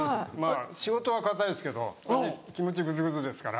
仕事は堅いですけど私気持ちぐずぐずですから。